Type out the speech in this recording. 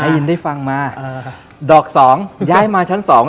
อินได้ฟังมาดอกสองย้ายมาชั้นสอง